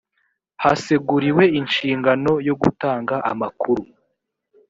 haseguriwe inshingano yo gutanga amakuru